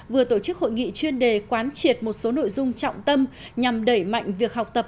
vừa tổ chức hội nghị chuyên đề quán triệt một số nội dung trọng tâm nhằm đẩy mạnh việc học tập